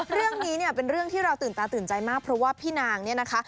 เรื่องนี้เนี่ยเป็นเรื่องที่เราตื่นตาตื่นใจมากเพราะว่าพี่นางเนี่ยนะคะ